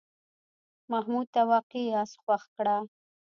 محمود ته واقعي آس خوښ کړه.